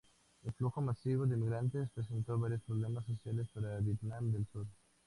El flujo masivo de inmigrantes presentó varios problemas sociales para Vietnam del Sur.